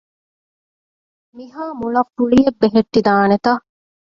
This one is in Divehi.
މިހާ މޮޅަށް ފުޅިއެއް ބެހެއްޓިދާނެތަ؟